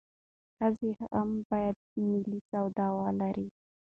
ښځې هم باید مالي سواد ولري.